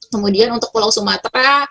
kemudian untuk pulau sumatera